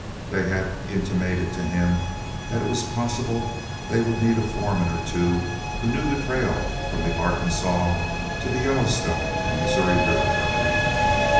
They had intimated to him that it was possible they would need a foreman or two who knew the trail from the Arkansaw to the Yellowstone and Missouri River country.